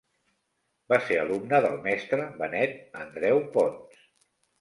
Va ser alumne del mestre Benet Andreu Pons.